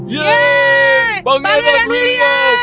yeay pangeran william